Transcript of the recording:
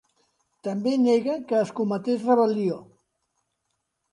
També nega que es cometés rebel·lió.